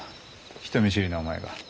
人見知りのお前が。